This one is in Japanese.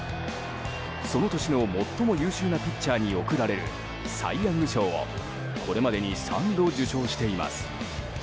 その年の最も優秀なピッチャーに贈られるサイ・ヤング賞をこれまでに３度受賞しています。